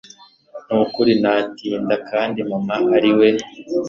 nukuri natinda kandi mama ariwe